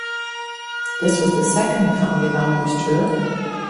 This was the second Family Values Tour.